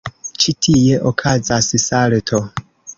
Ĉi tie okazas salto.